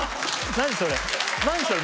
何それ？